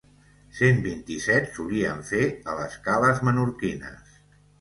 Cent vint-i-set solien fer a les cales menorquines.